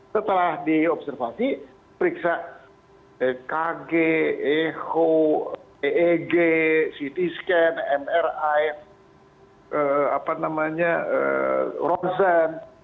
setelah diobservasi periksa tkg eho peg ct scan mri rosen